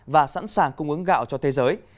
và sẵn sàng cung ứng gạo cho thế giới